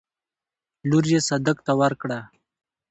لور يې صدک ته ورکړه.